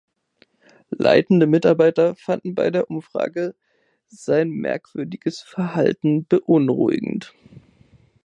Leitende Mitarbeiter fanden bei der Umfrage sein merkwürdiges Verhalten beunruhigend.